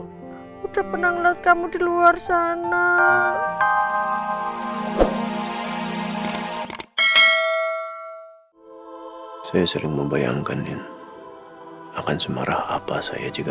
sudah pernah melihat kamu di luar sana saya sering membayangkan ya akan semarah apa saya juga